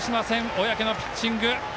小宅のピッチング。